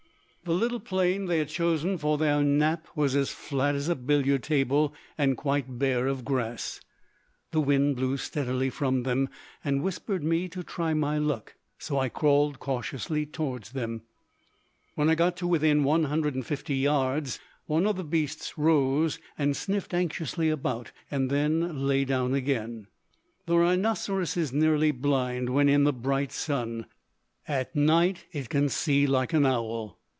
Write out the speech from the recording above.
The little plain they had chosen for their nap was as flat as a billiard table and quite bare of grass. The wind blew steadily from them and whispered me to try my luck, so I crawled cautiously toward them. When I got to within 150 yards, one of the beasts rose and sniffed anxiously about and then lay down again. The rhinoceros is nearly blind when in the bright sun at night it can see like an owl.